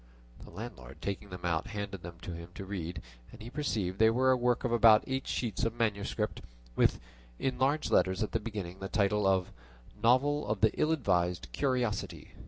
The landlord taking them out handed them to him to read, and he perceived they were a work of about eight sheets of manuscript, with, in large letters at the beginning, the title of "Novel of the Ill advised Curiosity."